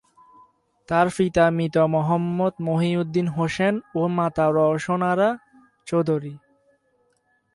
তার পিতা মৃত মোহাম্মদ মহিউদ্দিন হোসেন ও মাতা রওশন আরা চৌধুরী।